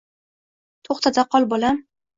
To‘xtata qol, bolam.